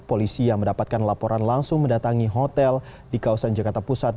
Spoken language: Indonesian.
polisi yang mendapatkan laporan langsung mendatangi hotel di kawasan jakarta pusat